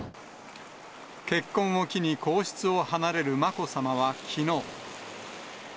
結婚を機に皇室を離れるまこさまは、きのう。